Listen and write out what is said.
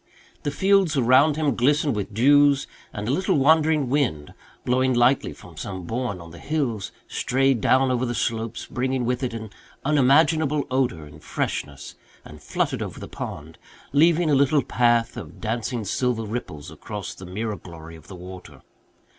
The fields around him glistened with dews, and a little wandering wind, blowing lightly from some bourne in the hills, strayed down over the slopes, bringing with it an unimaginable odour and freshness, and fluttered over the pond, leaving a little path of dancing silver ripples across the mirror glory of the water.